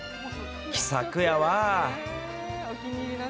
気さくやわあ。